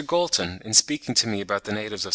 Galton, in speaking to me about the natives of S.